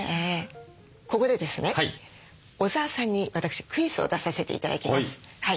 ここでですね小澤さんに私クイズを出させて頂きます。